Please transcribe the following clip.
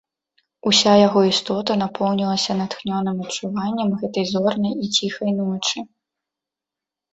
Уся яго істота напоўнілася натхнёным адчуваннем гэтай зорнай і ціхай ночы.